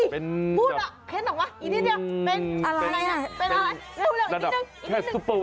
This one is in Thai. เป็นพูดเห็นหรอวะอีกนิดเดียวเป็นอะไรเป็นอะไรเร็วเร็ว